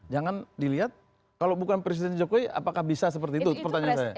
jangan dilihat kalau bukan presiden jokowi apakah bisa seperti itu pertanyaan saya